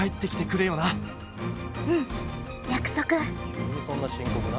急にそんな深刻な？